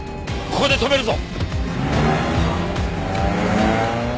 ここで止めるぞ！